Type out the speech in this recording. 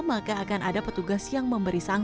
maka akan ada petugas yang memberi sanksi